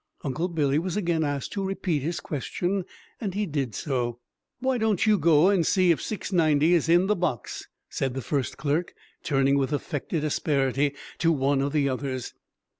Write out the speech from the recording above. Uncle Billy was again asked to repeat his question. He did so. "Why don't you go and see if 690 is in the box?" said the first clerk, turning with affected asperity to one of the others.